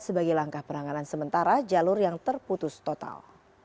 sebagai langkah penanganan sementara jalur yang terputus total